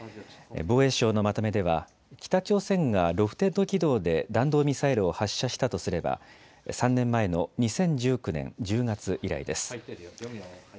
防衛省のまとめでは北朝鮮がロフテッド軌道で弾道ミサイルを発射したとすれば３年前の２０１９年１０月以来です。